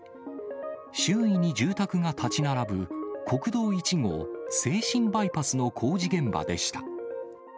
周囲に住宅が建ち並ぶ、国道１号静清バイパスの工事現場でした。